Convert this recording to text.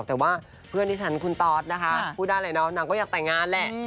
แต่ว่าเพื่อนที่ฉันคุณตอสนะคะพูดได้เลยนะว่านางก็อยากแต่งงานแหละ